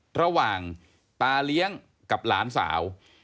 กระทั่งตาเลี้ยงกับหลานสาว